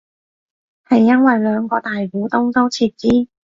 係因為兩個大股東都撤資